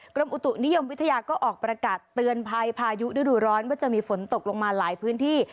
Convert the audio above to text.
กรมอุตุนิยมวิทยาก็ออกประกาศเตือนภัยพายุฤดูร้อนว่าจะมีฝนตกลงมาหลายพื้นที่